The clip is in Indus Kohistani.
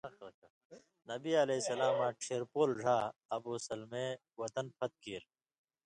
نبی علیہ السلاماں ڇھیرپولو ڙھا ابو سلمے وَطن پھت کیریۡ؛